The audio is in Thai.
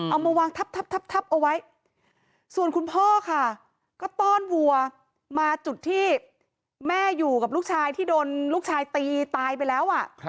เอามาวางทับเอาไว้ส่วนคุณพ่อค่ะก็ต้อนวัวมาจุดที่แม่อยู่กับลูกชายที่โดนลูกชายตีตายไปแล้ว